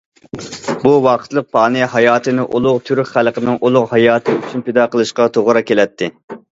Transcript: بۇ ۋاقىتلىق پانىي ھاياتىنى ئۇلۇغ تۈرك خەلقىنىڭ ئۇلۇغ ھاياتى ئۈچۈن پىدا قىلىشقا توغرا كېلەتتى.